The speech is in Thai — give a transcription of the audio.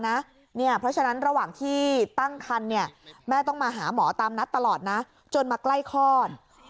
เพราะฉะนั้นระหว่างที่ตั้งคันแม่ต้องมาหาหมอตามนัดตลอดนะจนมาใกล้คลอด